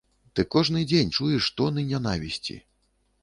Ты кожны дзень чуеш тоны нянавісці.